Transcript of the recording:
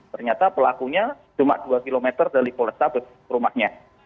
ternyata pelakunya cuma dua km dari polrestabes rumahnya